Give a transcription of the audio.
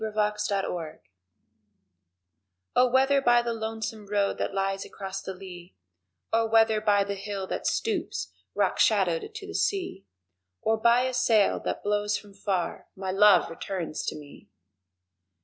The Way to Wait O WHETHER by the lonesome road that lies across the lea Or whether by the hill that stoops, rock shadowed, to the sea, Or by a sail that blows from far, my love returns to me!